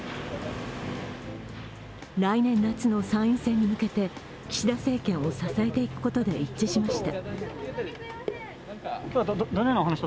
来年夏の参院選に向けて岸田政権を支えていくことで一致しました。